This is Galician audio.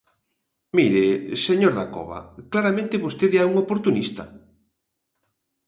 Mire, señor Dacova, claramente vostede é un oportunista.